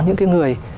có những cái người